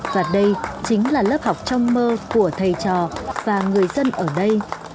và đây chính là lớp học trong mơ của thầy trò và người dân ở đây